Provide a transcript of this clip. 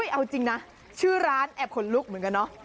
เอาจริงนะชื่อร้านแอบขนลุกเหมือนกันเนอะ